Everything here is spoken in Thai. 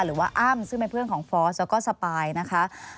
หรือว่าอ้ำซึ่งเป็นเพื่อนของฟอสแล้วก็สปายนะคะ